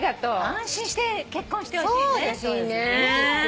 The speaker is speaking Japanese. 安心して結婚してほしいね。